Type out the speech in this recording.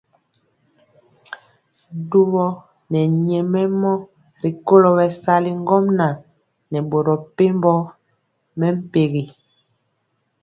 Dubɔ nɛ nyɛmemɔ rikolo bɛsali ŋgomnaŋ nɛ boro mepempɔ mɛmpegi.